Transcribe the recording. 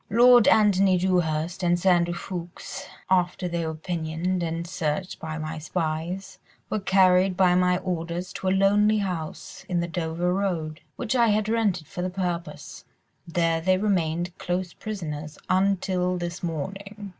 "Lord Antony Dewhurst and Sir Andrew Ffoulkes, after they were pinioned and searched by my spies, were carried by my orders to a lonely house on the Dover Road, which I had rented for the purpose: there they remained close prisoners until this morning.